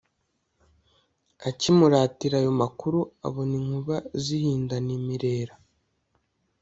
Akimuratira ayo makuru abona inkuba zihindana imirera.